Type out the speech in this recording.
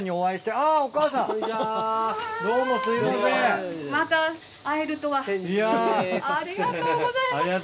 ありがとうございます。